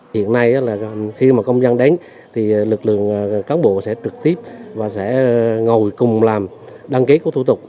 hiện nay là khi mà công dân đến thì lực lượng cán bộ sẽ trực tiếp và sẽ ngồi cùng làm đăng ký của thủ tục